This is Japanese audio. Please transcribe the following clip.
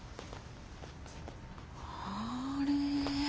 あれ。